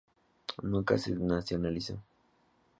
Nunca se nacionalizó.